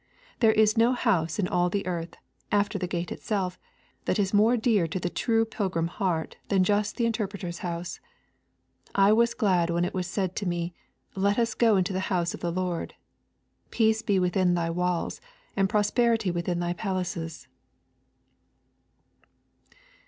There is no house in all the earth, after the gate itself, that is more dear to the true pilgrim heart than just the Interpreter's House. 'I was glad when it was said to me, Let us go into the house of the Lord. Peace be within thy walls, and prosperity within thy palaces.'